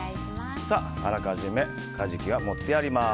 あらかじめカジキは盛ってあります。